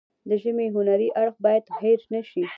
د ژبې هنري اړخ باید هیر نشي.